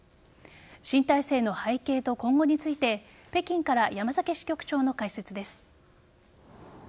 新体制の背景と今後について北京から山崎支局長の解説です。